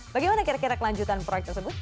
bagaimana kira kira kelanjutan proyek tersebut